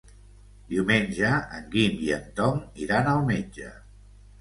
Diumenge en Guim i en Tom iran al metge.